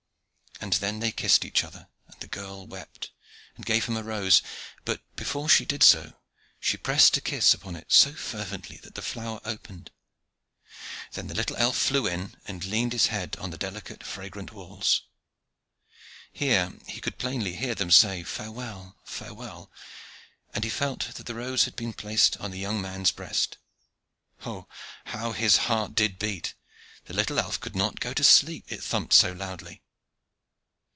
And then they kissed each other, and the girl wept, and gave him a rose; but before she did so, she pressed a kiss upon it so fervently that the flower opened. Then the little elf flew in, and leaned his head on the delicate, fragrant walls. Here he could plainly hear them say, "Farewell, farewell;" and he felt that the rose had been placed on the young man's breast. Oh, how his heart did beat! The little elf could not go to sleep, it thumped so loudly.